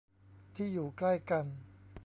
ที่อยู่ใกล้กัน